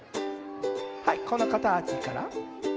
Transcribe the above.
はいこのかたちから。